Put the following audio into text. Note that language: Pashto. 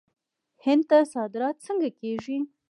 هند ته صادرات څنګه کیږي؟